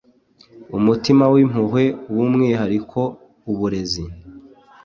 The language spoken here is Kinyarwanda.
umutima w’impuhwe by’umwihariko uburezi